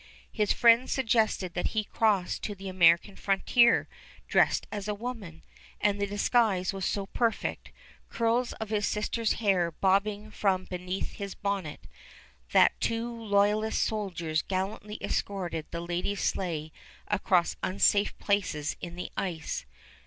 His friends suggested that he cross to the American frontier dressed as a woman, and the disguise was so perfect, curls of his sister's hair bobbing from beneath his bonnet, that two loyalist soldiers gallantly escorted the lady's sleigh across unsafe places in the ice.